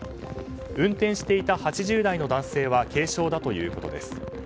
運転していた８０代の男性は軽傷だということです。